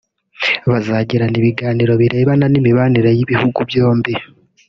Bazagirana ibiganiro birebana n’imibanire y’ibihugu byombi